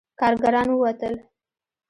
کارګران ووتل.